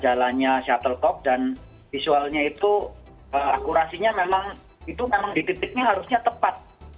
jalannya shuttle top dan visualnya itu akurasinya memang itu memang di titiknya harusnya tepat